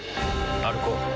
歩こう。